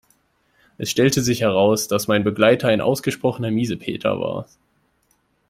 Es stellte sich heraus, dass mein Begleiter ein ausgesprochener Miesepeter war.